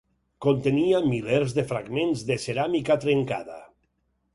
Contenia milers de fragments de ceràmica trencada.